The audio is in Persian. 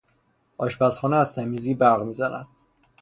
آشپزخانه از تمیزی برق میزند.